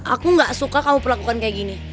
aku gak suka kamu perlakukan kayak gini